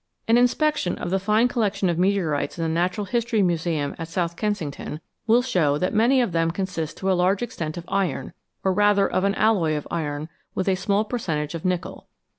An inspection of the fine collection of meteorites in the Natural History Museum at South Kensington will show that many of them consist to a large extent of iron, or rather of an alloy of iron with a small percentage of nickel.